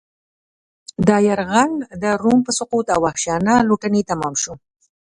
دا یرغل د روم په سقوط او وحشیانه لوټنې تمام شو